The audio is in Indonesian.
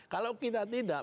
kalau kita tidak